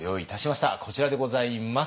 こちらでございます。